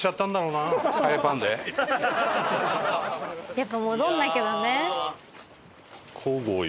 やっぱ戻んなきゃダメ？